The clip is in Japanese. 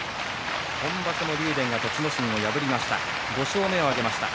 今場所も竜電が栃ノ心を破りました。